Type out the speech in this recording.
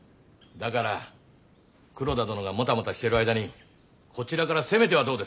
だから黒田殿がもたもたしてる間にこちらから攻めてはどうですか？